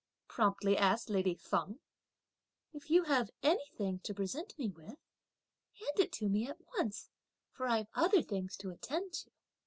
promptly asked lady Feng; "if you have anything to present me with, hand it to me at once, for I've other things to attend to."